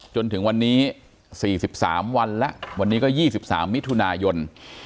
จนถึงวันนี้๔๓วันแล้ววันนี้ก็๒๓มิถุนายน